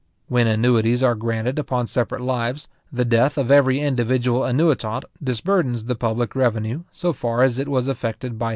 When annuities are granted upon separate lives, the death of every individual annuitant disburdens the public revenue, so far as it was affected by his annuity.